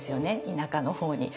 田舎の方に。